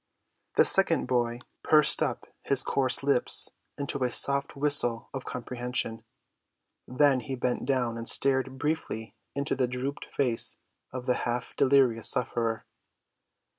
The second boy pursed up his coarse lips into a soft whistle of comprehension. Then he bent down and stared briefly into the drooped face of the half‐delirious sufferer.